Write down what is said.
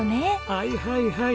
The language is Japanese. はいはいはい。